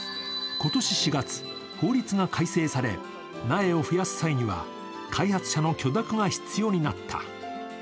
今年４月、法律が改正され、苗を増やす際には開発者の許諾が必要になった。